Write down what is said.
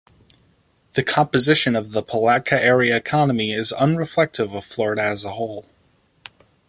The composition of the Palatka area economy is unreflective of Florida as a whole.